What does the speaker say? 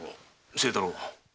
清太郎。